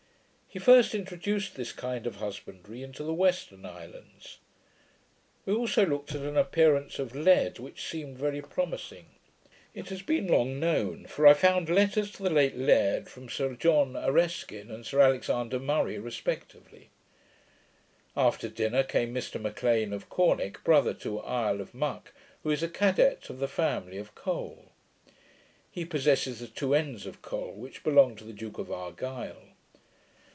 He first introduced this kind of husbandry into the Western islands. We also looked at an appearance of lead, which seemed very promising. It has been long known; for I found letters to the late laird, from Sir John Areskine and Sir Alexander Murray, respecting it. After dinner came Mr M'Lean, of Corneck, brother to Isle of Muck, who is a cadet of the family of Col. He possesses the two ends of Col, which belong to the Duke of Argyll.